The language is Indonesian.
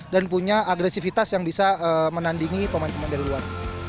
dan punya agresivitas yang bisa menandingi pemain pemain